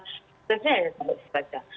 disenjata yang sangat berbaca